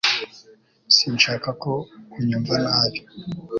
Sinshaka ko unyumva nabi